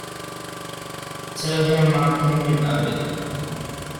Tell him my opinion of it.